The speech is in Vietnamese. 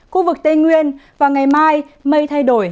khu vực tây nguyên và ngày mai mây thay đổi